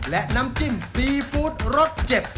และน้ำจิ้มซีฟู้ดรสเจ็บ